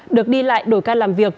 được đi lại đổi ca làm việc